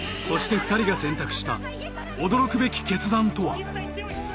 そして２人が選択した驚くべき決断とは？